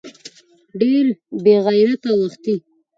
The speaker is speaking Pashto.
ډېر بې غېرته وختې.